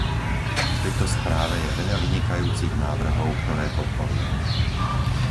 V tejto správe je veľa vynikajúcich návrhov, ktoré podporujem.